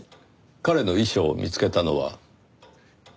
彼の遺書を見つけたのは。